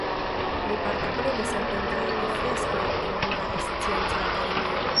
Li partoprenis en pentrado de freskoj en Hungara Scienca Akademio.